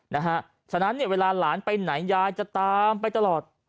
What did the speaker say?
นะฮะฉะนั้นเนี่ยเวลาหลานไปไหนยายจะตามไปตลอด